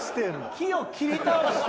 木を切り倒して。